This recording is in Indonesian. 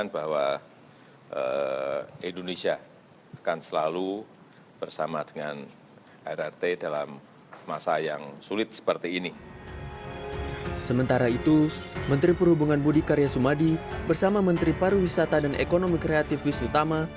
bersama menteri pariwisata dan ekonomi kreatif vis utama